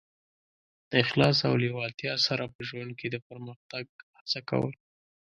د اخلاص او لېوالتیا سره په ژوند کې د پرمختګ هڅه کول.